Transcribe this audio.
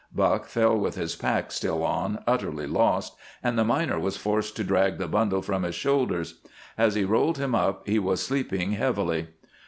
Buck fell with his pack still on, utterly lost, and the miner was forced to drag the bundle from his shoulders. As he rolled him up he was sleeping heavily.